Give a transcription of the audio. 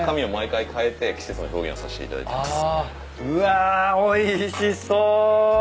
うわおいしそ。